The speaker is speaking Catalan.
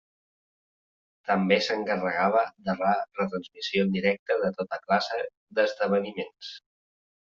També s'encarregava de la retransmissió en directe de tota classe d'esdeveniments.